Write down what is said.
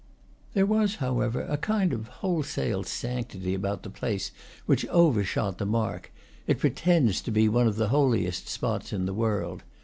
There was, however, a kind of wholesale sanctity about the place which overshot the mark; it pretends to be one of the holiest spots in the world.